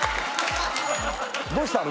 どうしたの？